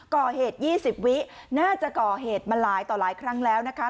ก่อเหตุ๒๐วิน่าจะก่อเหตุมาหลายต่อหลายครั้งแล้วนะคะ